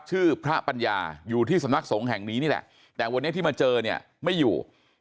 ชื่อพระปัญญาอยู่ที่สำนักสงฆ์แห่งนี้นี่แหละแต่วันนี้ที่มาเจอเนี่ยไม่อยู่